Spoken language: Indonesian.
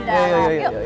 udah udah di dalam yuk